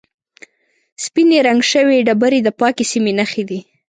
سپینې رنګ شوې ډبرې د پاکې سیمې نښې دي.